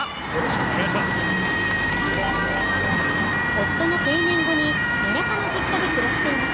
夫の定年後に田舎の実家で暮らしています。